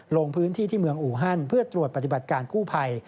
ลงพื้นที่ที่เมืองอูฮันเพื่อตรวจปฏิบัติการกู้ภัย